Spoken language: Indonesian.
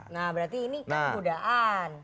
nah berarti ini kan godaan